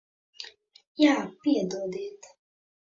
Jā. Piedodiet.